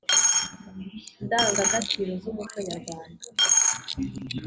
ndangagaciro z umuco nyarwanda